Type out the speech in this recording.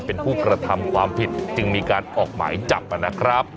เป็นผู้กระทำความผิดจึงมีการออกหมายจับนะครับ